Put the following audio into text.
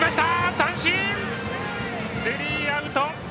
三振、スリーアウト。